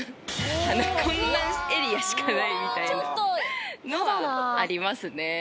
こんなエリアしかないみたいなのはありますね。